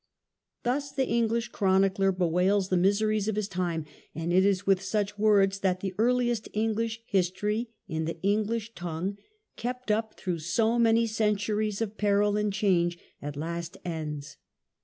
Thus the English chronicler bewails the miseries of his time, and it is with such words that the earliest English history in the English tongue, kept up through so many centuries of peril and change, at last ends.